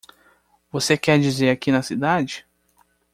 Você quer dizer aqui na cidade?